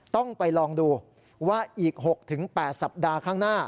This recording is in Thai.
ต้องไปลองดูว่าอีก๖๘สัปดาห์ข้างหน้า